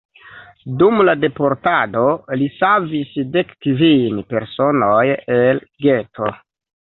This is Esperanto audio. Dum la deportado li savis dekkvin personoj el geto.